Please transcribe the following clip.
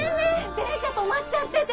電車止まっちゃってて！